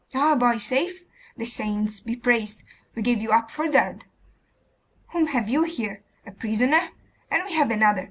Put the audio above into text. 'Ah, boy! Safe? The saints be praised! We gave you up for dead! Whom have you here? A prisoner? And we have another.